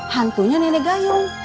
hantunya nenek gayung